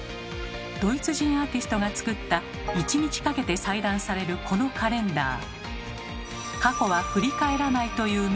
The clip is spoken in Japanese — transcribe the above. ドイツ人アーティストが作った一日かけて裁断されるこのカレンダー。